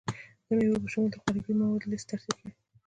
د میوو په شمول د خوراکي موادو لست ترتیب کړئ.